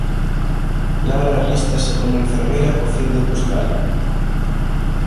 Lara alístase como enfermeira co fin de buscalo.